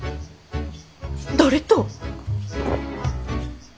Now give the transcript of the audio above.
誰と？